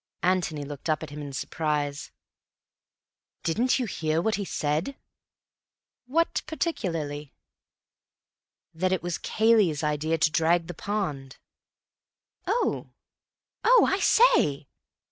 Antony looked up at him in surprise. "Didn't you hear what he said?" "What, particularly?" "That it was Cayley's idea to drag the pond." "Oh! Oh, I say!"